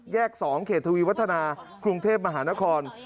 แยก๒เขตทวีวัฒนาคลุงเทพฯมหานคร